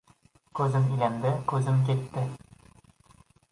Ko‘zim ilindi, ko‘zim ketdi.